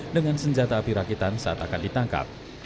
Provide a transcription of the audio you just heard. dengan senjata api rakitan saat akan ditangkap